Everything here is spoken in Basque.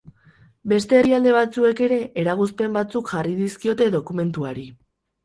Beste herrialde batzuek ere eragozpen batzuk jarri dizkiote dokumentuari.